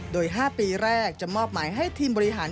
โดย๕ปีแรกจะมอบหมายให้ทีมบริหาร